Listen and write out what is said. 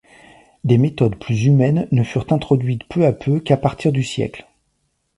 Des méthodes plus humaines ne furent introduites peu à peu qu’à partir du siècle.